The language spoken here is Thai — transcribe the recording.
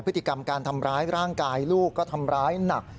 พฤติกรรมการทำร้ายร่างกายลูกก็ทำร้ายหนัก